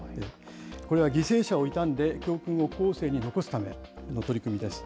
これは犠牲者を悼んで教訓を後世に残すための取り組みです。